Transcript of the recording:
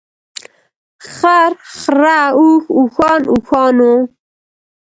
خر، خره، اوښ ، اوښان ، اوښانو .